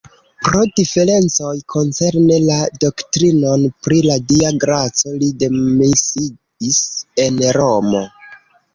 Pro diferencoj koncerne la doktrinon pri la Dia graco li demisiis en Romo.